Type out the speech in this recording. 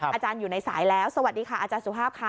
อาจารย์อยู่ในสายแล้วสวัสดีค่ะอาจารย์สุภาพค่ะ